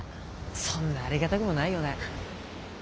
そんなありがたくもないよね。